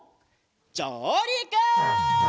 じょうりく！